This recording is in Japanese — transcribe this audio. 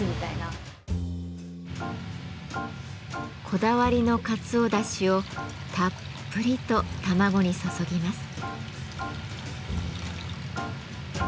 こだわりのかつおだしをたっぷりと卵に注ぎます。